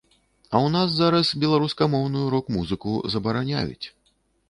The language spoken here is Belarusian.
А ў нас зараз беларускамоўную рок-музыку забараняюць.